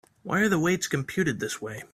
Why are the weights computed this way?